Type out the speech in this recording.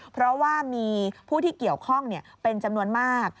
เพราะว่ามีผู้ที่เกี่ยวข้องเป็นจำนวนมาก